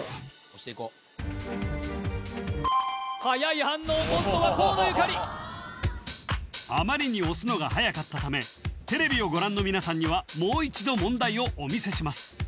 押していこうはやい反応今度は河野ゆかりあまりに押すのがはやかったためテレビをご覧の皆さんにはもう一度問題をお見せします